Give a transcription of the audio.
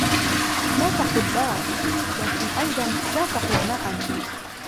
لا تقل لا ، لكن أيضا لا تقل نعم.